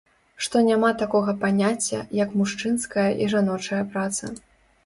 Што няма такога паняцця, як мужчынская і жаночая праца.